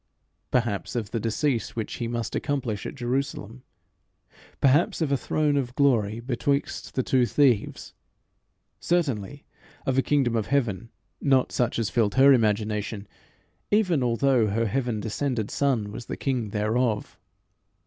Perhaps of the decease which he must accomplish at Jerusalem; perhaps of a throne of glory betwixt the two thieves; certainly of a kingdom of heaven not such as filled her imagination, even although her heaven descended Son was the king thereof.